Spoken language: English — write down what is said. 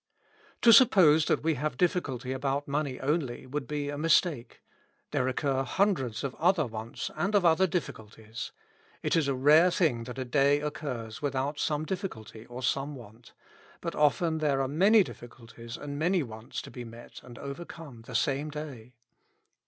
" To suppose that we have difficulty about money only would be a mistake : there occur hundreds of other wants and of other difficulties. It is a rare thing that a day occurs without some difficulty or some want ; but often there are many difficulties and many wants to be met and overcome the same day.